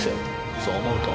そう思うと。